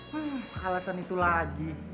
hmm alasan itu lagi